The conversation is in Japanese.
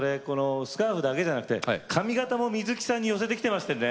スカーフだけじゃなくて髪形も水木さんに寄せてきてますね？